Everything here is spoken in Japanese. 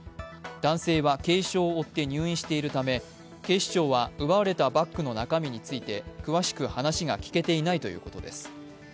男性は軽傷を負って入院しているため警視庁は奪われたバッグの中身について、詳しく話が聴けていないということです。